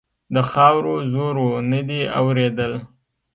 د خاورو زور و؛ نه دې اورېدل.